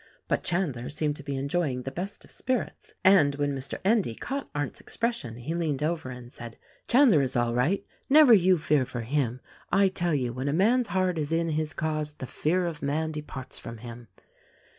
But Chandler seemed to be enjoying the best of spirits; and when Mr. Endy caught Arndt's expres sion he leaned over and said, "Chandler is all right — never you fear for him. I tell you when a man's heart is in his cause the fear of man departs from him."